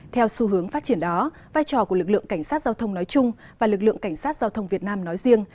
theo xu hướng phát triển đó vai trò của lực lượng cảnh sát giao thông nói chung và lực lượng cảnh sát giao thông việt nam nói riêng